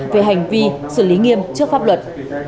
về hành vi xử lý nghiêm trước pháp luật